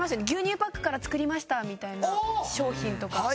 牛乳パックから作りましたみたいな商品とか。